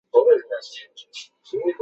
魏晋南北朝沿置。